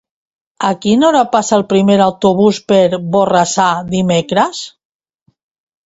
A quina hora passa el primer autobús per Borrassà dimecres?